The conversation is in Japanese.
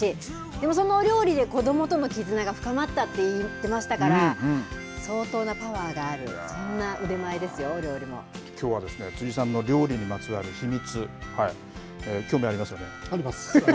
でもそのお料理で、子どもとの絆が深まったって言ってましたから、相当なパワーがある、そんな腕前きょうはですね、辻さんの料理にまつわる秘密、興味ありますよね。あります。